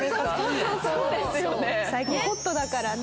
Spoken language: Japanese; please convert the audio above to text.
最近ホットだからね。